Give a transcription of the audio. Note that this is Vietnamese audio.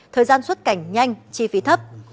thời gian xuất cảnh nhanh chi phí thấp